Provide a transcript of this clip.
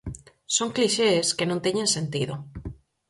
Son clixés que non teñen sentido.